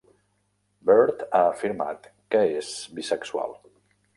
Byrd ha afirmat que és bisexual.